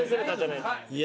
いや！